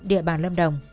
địa bàn lâm đồng